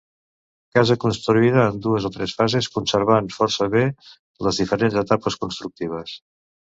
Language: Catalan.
Casa construïda en dues o tres fases, conservant força bé les diferents etapes constructives.